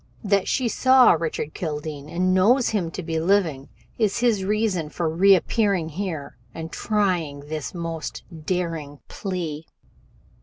That she saw Richard Kildene and knows him to be living is his reason for reappearing here and trying this most daring plea.